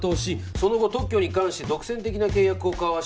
「その後特許に関して独占的な契約を交わした」